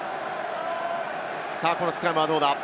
このスクラムはどうだ？